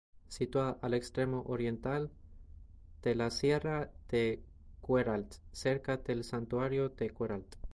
Situada al extremo oriental de la sierra de Queralt, cerca del santuario de Queralt.